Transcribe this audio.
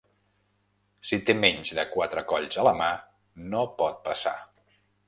Si té menys de quatre colls a la mà, no pot passar.